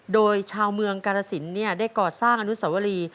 โดยชาวเมืองกาลสินได้ก่อสร้างอนุสวรี